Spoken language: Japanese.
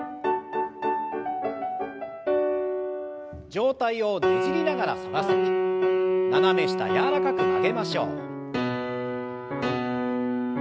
上体をねじりながら反らせて斜め下柔らかく曲げましょう。